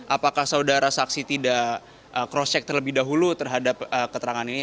apakah saudara saksi tidak cross check terlebih dahulu terhadap keterangan ini